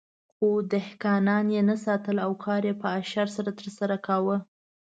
خو دهقانان یې نه ساتل او کار یې په اشر سره ترسره کاوه.